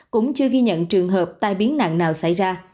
cũng chưa ghi nhận trường hợp tai biến nặng nào xảy ra